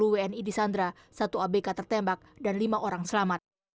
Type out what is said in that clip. sepuluh wni di sandra satu abk tertembak dan lima orang selamat